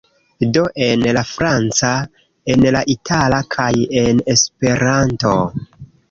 Do en la franca, en la itala, kaj en Esperanto.